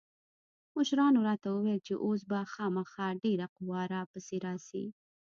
مشرانو راته وويل چې اوس به خامخا ډېره قوا را پسې راسي.